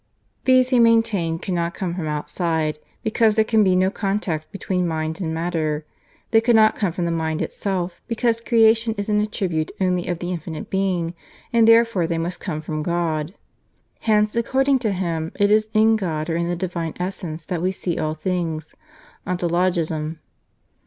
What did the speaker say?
These he maintained could not come from outside, because there can be no contact between mind and matter; they could not come from the mind itself, because creation is an attribute only of the infinite being, and therefore they must come from God. Hence, according to him, it is in God or in the divine essence that we see all things (Ontologism).